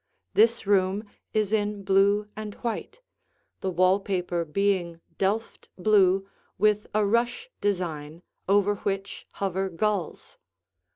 This room is in blue and white, the wall paper being delft blue with a rush design over which hover gulls.